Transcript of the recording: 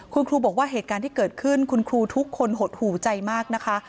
คุณครูบอกว่าเหตุการณ์ที่เกิดขึ้นคุณครูทุกคนหดหูใจมากนะคะ